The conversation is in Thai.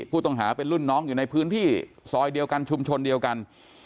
ผู้ต้องหาเป็นรุ่นน้องอยู่ในพื้นที่ซอยเดียวกันชุมชนเดียวกัน